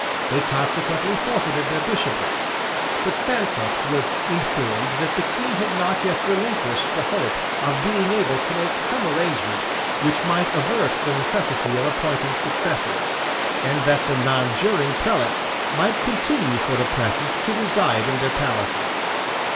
They consequently forfeited their bishoprics; but Sancroft was informed that the King had not yet relinquished the hope of being able to make some arrangement which might avert the necessity of appointing successors, and that the nonjuring prelates might continue for the present to reside in their palaces.